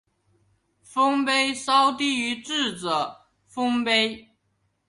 丰碑稍低于智者丰碑。